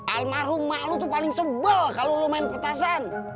almarhum mak lu tuh paling sebel kalo lu main petasan